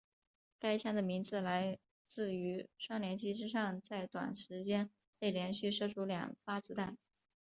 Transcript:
该枪的名字来自于双连击之上在短时间内连续射出两发子弹。